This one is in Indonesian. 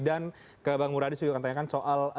dan ke bang muradis juga akan tanyakan soal